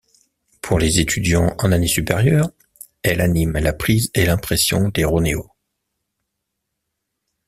Pour les étudiants en année supérieures elle anime la prise et l'impression des ronéos.